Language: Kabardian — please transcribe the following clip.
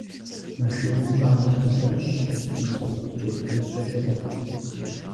Машинэм щӀалэ къикӀащ кӀэстум зэфӀэт джэдгыныфэ щыгъыу.